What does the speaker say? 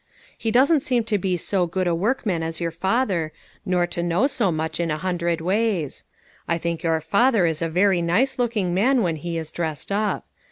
He doesn't begin to be so good a workman as your father, nor to know so much in a hundred ways. I think your father is a very nice looking man when he is dressed up.